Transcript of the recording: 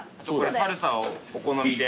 サルサをお好みで。